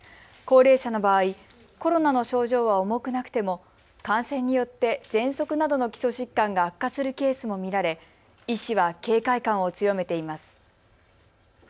高齢者の場合、コロナの症状は重くなくても感染によって、ぜんそくなどの基礎疾患が悪化するケースも見られ医師は警戒感を強めています。